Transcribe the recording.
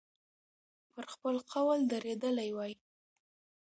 پر خپل قول درېدلی وای.